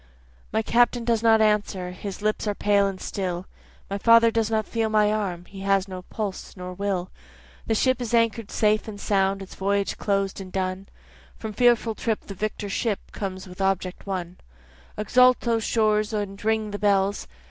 My Captain does not answer, his lips are pale and still, My father does not feel my arm, he has no pulse nor will, The ship is anchor'd safe and sound, its voyage closed and done, From fearful trip the victor ship comes in with object won; Exult O shores, and ring O bells!